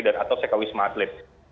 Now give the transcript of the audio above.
dan atau saya kawin smartlapes